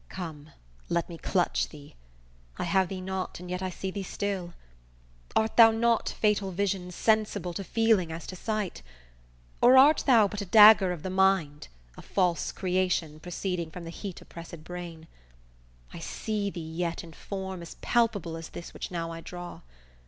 Come, let me clutch thee; I have thee not, and yet I see thee still, Art thou not, fatal vision, sensible To feeling as to sight? Or art thou but A dagger of the mind; a false creation, Proceeding from the heat oppressed brain? I see thee yet in form as palpable As this which now I draw.